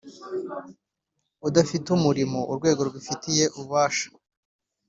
udafite uwurimo urwego rubifitiye ububasha